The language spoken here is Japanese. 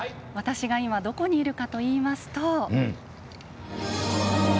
私が今どこにいるかといいますと。